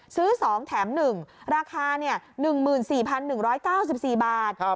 ซื้อ๒แถม๑ราคา๑๔๑๙๔บาท